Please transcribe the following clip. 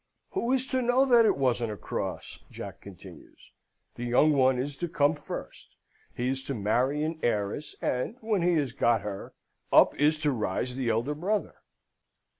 "Who is to know that it wasn't a cross?" Jack continues. "The young one is to come first. He is to marry an heiress, and, when he has got her, up is to rise the elder brother!